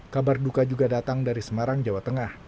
kabar duka juga datang dari semarang jawa tengah